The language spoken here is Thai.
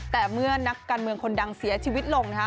แต่เมื่อนักการเมืองคนดังเสียชีวิตลงนะคะ